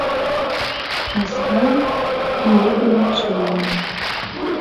Маска тулупым чияльым.